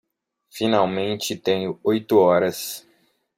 Finalmente tenho oito horas